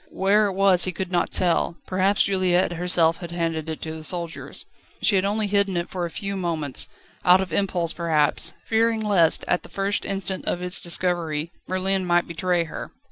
Where it was he could not tell; perhaps Juliette herself had handed it to the soldiers. She had only hidden it for a few moments, out of impulse perhaps, fearing lest, at the first instant of its discovery, Merlin might betray her.